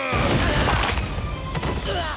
うわっ！